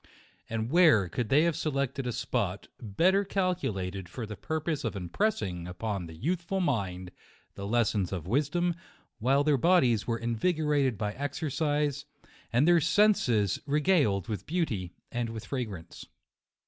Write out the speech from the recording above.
And where could they have selected a spot, better cal culated for the purpose of impressing upon the youthful mind the lessons of wisdom, while their bodies were invigorated by exercise, and their senses regaled with beauty and with fragrance.